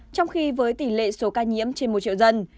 trong khi với tỷ lệ số ca nhiễm trên một triệu dân